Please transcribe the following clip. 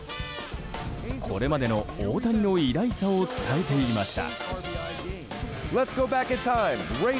これまでの大谷の偉大さを伝えていました。